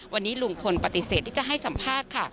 วันนี้ลุงพลปฏิเสธที่จะให้สัมภาษณ์ค่ะ